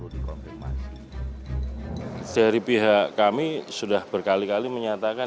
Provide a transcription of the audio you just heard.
dari pihak kami sudah berkali kali menyatakan